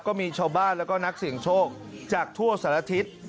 ก็มีชาวบ้านแล้วก็นักเสี่ยงโชคจากทั่วสารทิศ